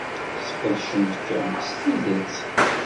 Sqedcent-kem s tidet.